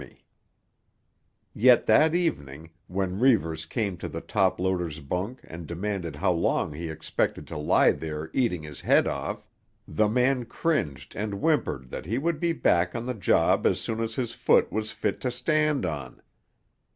Yet that evening, when Reivers came to the top loader's bunk and demanded how long he expected to lie there eating his head off, the man cringed and whimpered that he would be back on the job as soon as his foot was fit to stand on.